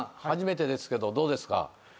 初めてですけどどうですか？